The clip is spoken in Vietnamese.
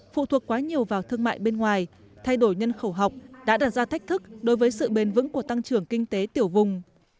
phụ thuộc quá nhiều vào thương mại bên ngoài thay đổi nhân khẩu học đã đặt ra thách thức đối với sự bền vững của tăng trưởng kinh tế tiểu vùng